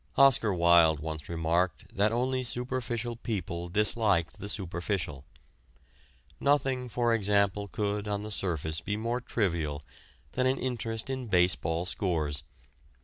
Oscar Wilde once remarked that only superficial people disliked the superficial. Nothing, for example, could on the surface be more trivial than an interest in baseball scores.